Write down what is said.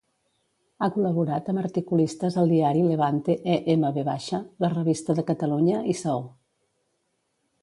Ha col·laborat amb articulistes al diari Levante-EMV, la Revista de Catalunya i Saó.